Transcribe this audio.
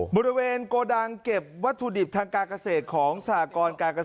บริเวณโกดังเก็บวัตถุดิบทางการเกษตรของสหกรการเกษตร